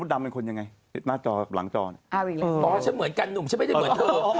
พลิกต๊อกเต็มเสนอหมดเลยพลิกต๊อกเต็มเสนอหมดเลย